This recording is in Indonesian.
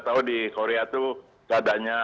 tahu di korea itu padanya